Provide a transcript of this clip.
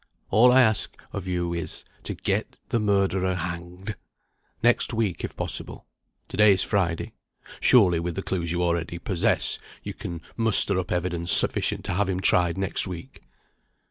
All I ask of you is, to get the murderer hanged. Next week, if possible to day is Friday. Surely, with the clues you already possess, you can muster up evidence sufficient to have him tried next week."